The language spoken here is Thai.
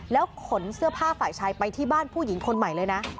แล้วขนเสื้อผ้าฝ่ายชายไปที่บ้านผู้หญิงคนใหม่เลยนะ